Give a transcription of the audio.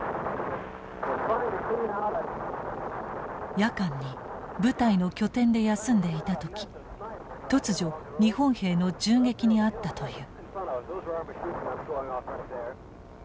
夜間に部隊の拠点で休んでいた時突如日本兵の銃撃に遭ったという。